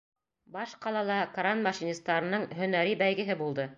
Баш ҡалала кран машинистарының һөнәри бәйгеһе булды